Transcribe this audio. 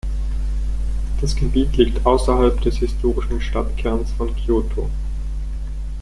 Das Gebiet liegt außerhalb des historischen Stadtkerns von Kyoto.